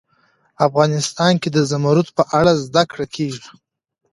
افغانستان کې د زمرد په اړه زده کړه کېږي.